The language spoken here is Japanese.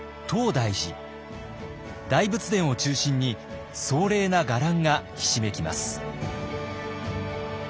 大仏殿を中心に壮麗な伽藍がひしめきます。